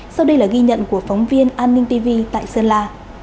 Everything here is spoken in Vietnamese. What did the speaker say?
sau đây là ghi nhận của phóng viên an ninh tv tại sơn la